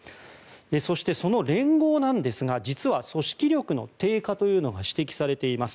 そして、その連合なんですが実は組織力の低下というのが指摘されています。